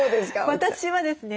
私はですね